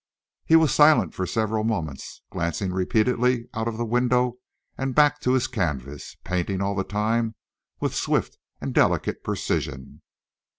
He was silent for several moments, glancing repeatedly out of the window and back to his canvas, painting all the time with swift and delicate precision.